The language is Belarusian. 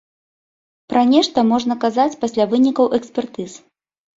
Пра нешта можна казаць пасля вынікаў экспертыз.